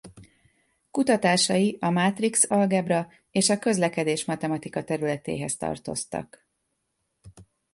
Kutatásai a mátrix algebra és a közlekedés-matematika területéhez tartoztak.